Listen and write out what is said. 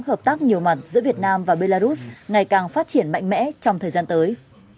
hợp tác nhiều mặt giữa việt nam và belarus ngày càng phát triển mạnh mẽ trong thời gian tới